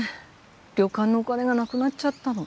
旅館のお金がなくなっちゃったの。